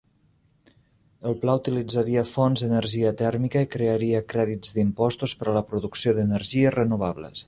El pla utilitzaria fonts d'energia tèrmica i crearia crèdits d'impostos per a la producció d'energies renovables.